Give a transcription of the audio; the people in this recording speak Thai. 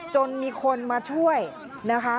จนมีคนมาช่วยนะคะ